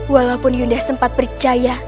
walaupun yunda sempat percaya